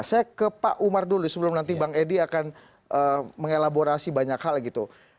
saya ke pak umar dulu sebelum nanti bang edi akan mengelaborasi banyak hal gitu